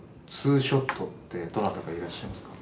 ２ショットってどなたかいらっしゃいますか？